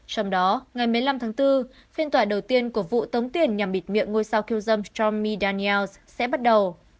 trong đó ngày một mươi năm tháng bốn phiên tòa đầu tiên của vụ tống tiền nhằm bịt miệng ngôi sao khiêu dâm trump me daniels sẽ bắt đầu